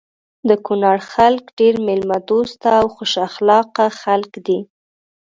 د کونړ خلک ډير ميلمه دوسته او خوش اخلاقه خلک دي.